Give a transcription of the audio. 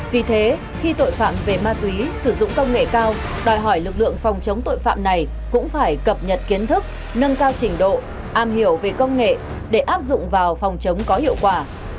vì thế khi tội phạm về ma túy sử dụng công nghệ cao đòi hỏi lực lượng phòng chống tội phạm này cũng phải cập nhật kiến thức nâng cao trình độ am hiểu về công nghệ để áp dụng vào phòng chống có hiệu quả